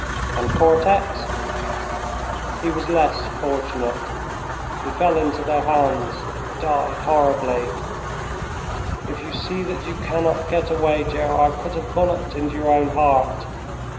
"And Cortex?" "He was less fortunate. He fell into their hands and died horribly. If you see that you cannot get away, Gerard, put a bullet into your own heart.